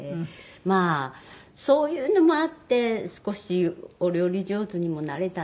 まあそういうのもあって少しお料理上手にもなれたんでしょうかね。